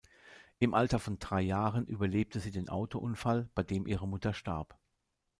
Im Alter von drei Jahren überlebte sie den Autounfall, bei dem ihre Mutter starb.